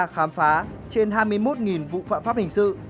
khám phá trên hai mươi một vụ phạm pháp hình sự